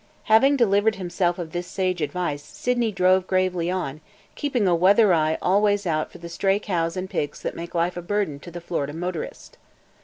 Having delivered himself of this sage advice, Sydney drove gravely on, keeping a weather eye always out for the stray cows and pigs that make life a burden to the Florida motorist.